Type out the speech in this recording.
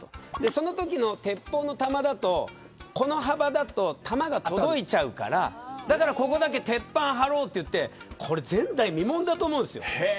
そのときの鉄砲の弾だとこの幅だと弾が届いちゃうからここだけ鉄板張ろうといってこれ、前代未聞だと思うんです。